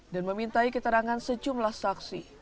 dan memintai keterangan sejumlah saksi